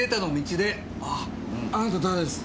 あぁあなた誰です？